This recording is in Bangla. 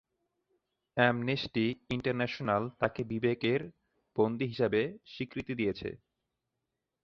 অ্যামনেস্টি ইন্টারন্যাশনাল তাকে বিবেকের বন্দী হিসেবে স্বীকৃতি দিয়েছে।